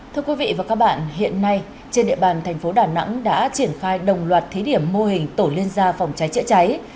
thưa quý vị và các bạn hiện nay trên địa bàn thành phố đà nẵng đã triển khai đồng loạt thí điểm mô hình tổ liên gia phòng cháy chữa cháy